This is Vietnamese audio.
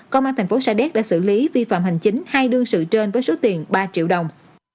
công an thành phố sa đéc đã xử lý vi phạm hành chính hai đương sự trên với số tiền ba triệu đồng